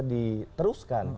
tidak bisa diteruskan